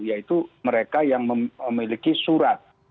yaitu mereka yang memiliki surat